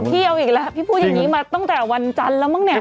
พี่เอาอีกแล้วพี่พูดอย่างนี้มาตั้งแต่วันจันทร์แล้วมั้งเนี่ย